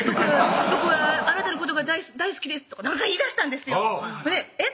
「僕はあなたのことが大好きです」とか言いだしたんですえっ？